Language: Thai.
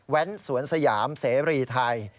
แว้นสวนสยามเสรียทัย